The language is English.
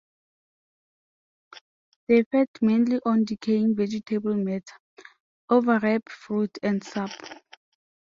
They feed mainly on decaying vegetable matter, over-ripe fruit, and sap.